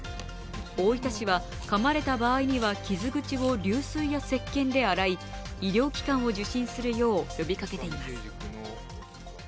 大分市は、かまれた場合には傷口を流水や石けんで洗い医療機関を受診するよう呼びかけています。